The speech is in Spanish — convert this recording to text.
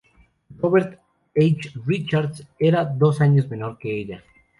Robert H. Richards era dos años menor que ella.